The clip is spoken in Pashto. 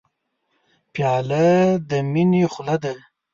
پیاله د مینې خوله ده.